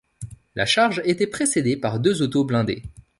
La charge était précédée par deux autos blindées.